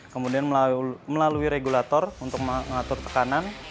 kemudian melalui regulator untuk mengatur tekanan